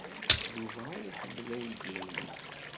Yuba ur iḥemmel aydi-inu.